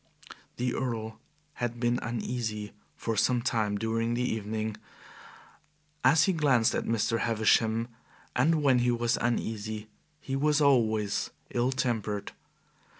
The Earl had been uneasy for some time during the evening, as he glanced at Mr. Havisham, and when he was uneasy he was always ill tempered.